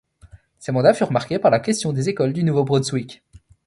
Ses mandats furent marqués par la Question des écoles du Nouveau-Brunswick.